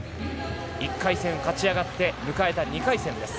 １回戦勝ち上がって迎えた２回戦です。